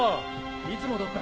いつ戻った？